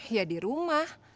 ya di rumah